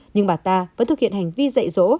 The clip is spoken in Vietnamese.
nhưng bà ta vẫn thực hiện hành vi dạy dỗ